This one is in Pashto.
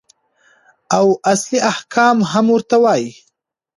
او اصلي احکام هم ورته وايي.